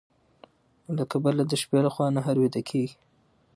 له کبله د شپې لخوا نهر ويده کيږي.